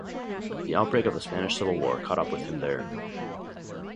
The outbreak of the Spanish Civil War caught up with him there.